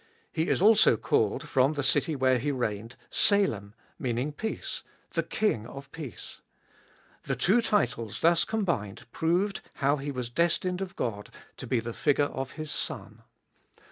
He is also called, from the city where he reigned, Salem, meaning Peace — the King of peace. The two titles thus com bined proved how he was destined of God to be the figure of Sbe Doltest of BII His Son.